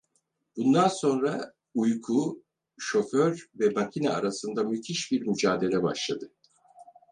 Bundan sonra uyku, şoför ve makine arasında müthiş bir mücadele başladı…